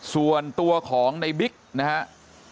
ส่วนตัวของในบิ๊กนะครับ